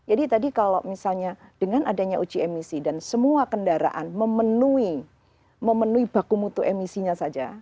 jadi tadi kalau misalnya dengan adanya uji emisi dan semua kendaraan memenuhi baku mutu emisinya saja